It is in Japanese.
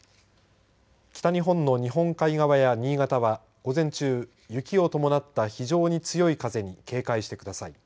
北日本の日本海側や新潟は午前中雪を伴った非常に強い風に警戒してください。